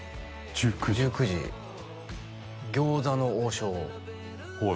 １９時餃子の王将はい